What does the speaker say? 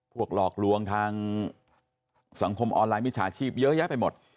หลอกลวงทางสังคมออนไลน์มิจฉาชีพเยอะแยะไปหมด